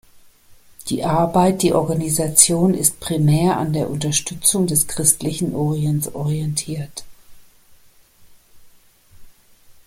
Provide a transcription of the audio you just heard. Die Arbeit die Organisation ist primär an der Unterstützung des Christlichen Orients orientiert.